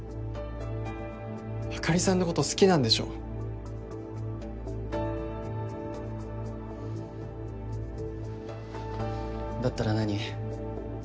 あかりさんのこと好きなんでしょだったら何？